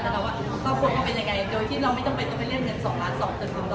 แล้วเราก็ควรเอาเป็นยังไงโดยที่เราไม่จำเป็นต้องไปเรียนเงิน๒ล้าน๒๐๐๐บาท